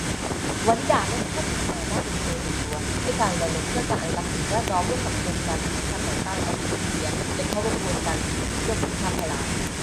วนิดาเริ่มเข้ามาทำงานด้านเอ็นจีโอเต็มตัว ด้วยการรณรงค์เพื่อการอนุรักษ์สิ่งแวดล้อมร่วมกับขบวนการสันติภาพต่อต้าน อาวุธนิวเคลียร์ และเข้าร่วมขบวนการเชื่อมสันติภาพไทยลาว